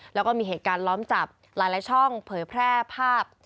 แล้วก็มีเหตุการณ์ล้อมจับหลายช่องเผยแพร่ภาพ